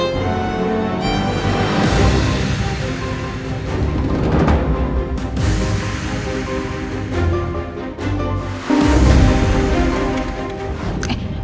aku juga gak salah